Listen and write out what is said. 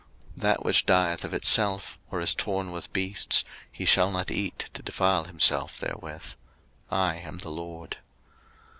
03:022:008 That which dieth of itself, or is torn with beasts, he shall not eat to defile himself therewith; I am the LORD.